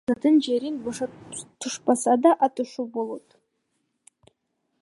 Алар базардын жерин бошотушпаса атышуу болот.